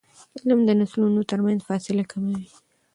علم د نسلونو ترمنځ فاصله کموي.